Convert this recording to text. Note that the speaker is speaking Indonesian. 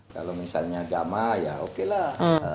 kalau misalnya jamaah ya oke lah